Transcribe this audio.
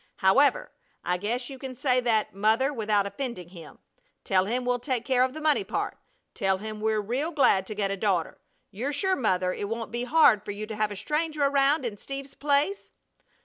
However, I guess you can say that, Mother, without offending him. Tell him we'll take care of the money part. Tell him we're real glad to get a daughter. You're sure, Mother, it won't be hard for you to have a stranger around in Steve's place?"